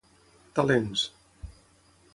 Talents: